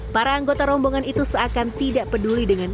para anggota rombongan itu seakan tidak peduli dengan